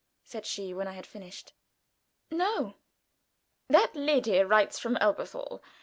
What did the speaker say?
said she, when I had finished. "No." "That lady writes from Elberthal.